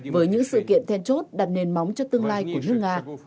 với những sự kiện then chốt đặt nền móng cho tương lai của nước nga